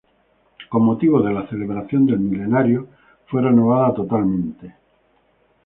Con motivo de la celebración del milenario, fue renovada totalmente.